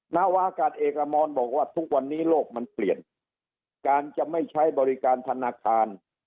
นาวากาศเอกอมรบอกว่าทุกวันนี้โลกมันเปลี่ยนการจะไม่ใช้บริการธนาคาร